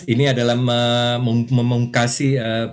ini adalah memungkasi